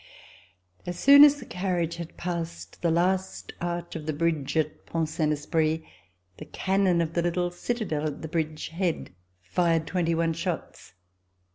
As soon as the carriage had passed the last arch of the bridge at Pont Saint Esprit, the cannon of the little citadel at this bridge head fired twenty one shots.